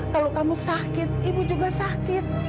kalau kamu sakit ibu juga sakit